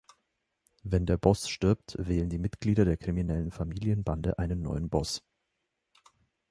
Wenn der Boss stirbt, wählen die Mitglieder der kriminellen Familienbande einen neuen Boss.